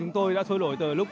chúng tôi đã sôi lỗi từ lúc